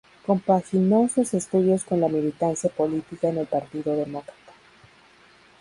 Compaginó sus estudios con la militancia política en el Partido Demócrata.